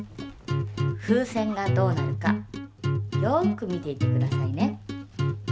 風船がどうなるかよく見ていてくださいね。